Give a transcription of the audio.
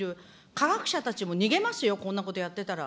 科学者たちも逃げますよ、こんなことやってたら。